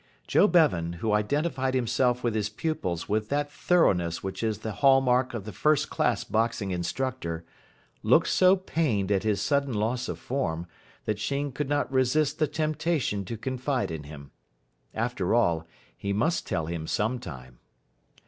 Joe Bevan, who identified himself with his pupils with that thoroughness which is the hall mark of the first class boxing instructor, looked so pained at his sudden loss of form, that Sheen could not resist the temptation to confide in him. After all, he must tell him some time.